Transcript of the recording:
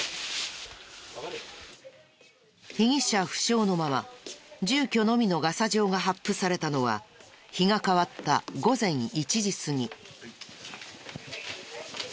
被疑者不詳のまま住居のみのガサ状が発布されたのは日が変わった午前１時すぎ。